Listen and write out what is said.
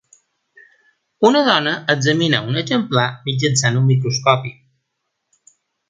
Una dona examina un exemplar mitjançant un microscopi.